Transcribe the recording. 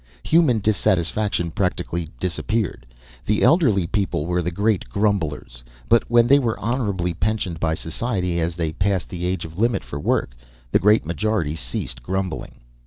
Human dissatisfaction practically disappeared. The elderly people were the great grumblers; but when they were honourably pensioned by society, as they passed the age limit for work, the great majority ceased grumbling.